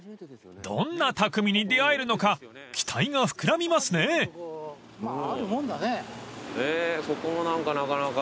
［どんな匠に出会えるのか期待が膨らみますね］へえここも何かなかなか。